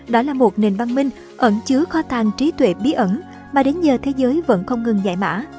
đó là một nền văn minh ẩn chứa kho tàng trí tuệ bí ẩn mà đến giờ thế giới vẫn không ngừng giải mã